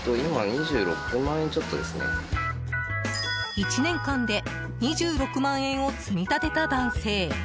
１年間で２６万円を積み立てた男性。